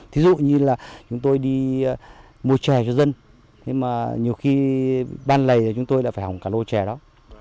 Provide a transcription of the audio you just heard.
thí dụ như là chúng tôi đi mua chè cho dân nhưng mà nhiều khi ban lầy thì chúng tôi lại phải hỏng cả lô trè đó